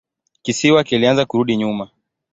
Kisiwa kilianza kurudi nyuma.